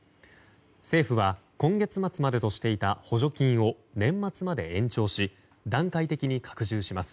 政府は今月末までとしていた補助金を年末まで延長し段階的に拡充します。